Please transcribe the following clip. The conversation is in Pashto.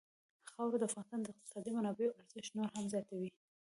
خاوره د افغانستان د اقتصادي منابعو ارزښت نور هم زیاتوي.